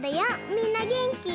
みんなげんき？